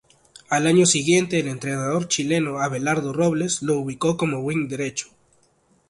Al año siguiente el entrenador chileno Abelardo Robles lo ubicó como wing derecho.